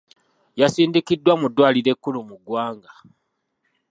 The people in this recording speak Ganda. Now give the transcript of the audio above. Yasindikiddwa mu ddwaliro ekkulu mu ggwanga.